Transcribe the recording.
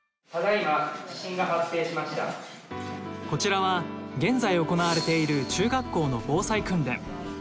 こちらは現在行われている中学校の防災訓練。